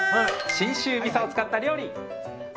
信州みそを使った料理！